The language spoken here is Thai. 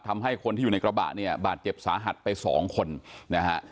ทำให้คนที่อยู่ในกระบะเนี่ยบาดเจ็บสาหัสไปสองคนนะฮะ